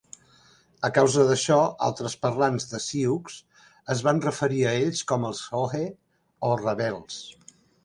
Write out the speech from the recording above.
A causa d'això, altres parlants de Sioux es van referir a ells com els "Hohe" o "rebels".